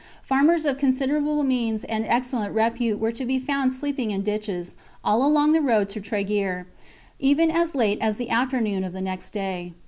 Farmers of considerable means and excellent repute were to be found sleeping in ditches, all along the road to Treguier, even as late as the afternoon of the next day.